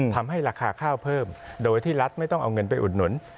ทำให้ราคาข้าวเพิ่มโดยที่รัฐไม่ต้องเอาเงินไปอุดหนุน